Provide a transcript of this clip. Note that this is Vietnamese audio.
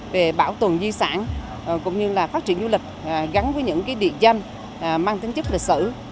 về bảo tồn di sản cũng như là phát triển du lịch gắn với những địa danh mang tính chức lịch sử